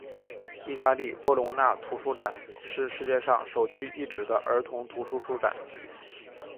意大利波隆那童书展是世界上首屈一指的儿童图书书展。